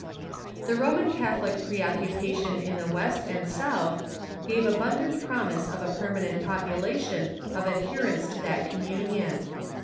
] The Roman Catholic preoccupation in the West and South gave abundant promise of a permanent population of ad herents to that communion.